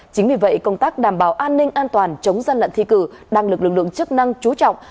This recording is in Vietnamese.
chính vì vậy công tác đảm bảo an ninh an toàn chống gian lận thi cử đang được lực lượng chức năng chú trọng